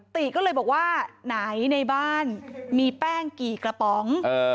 ติก็เลยบอกว่าไหนในบ้านมีแป้งกี่กระป๋อง